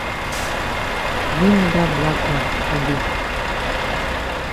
Gi me dat black bag for dey.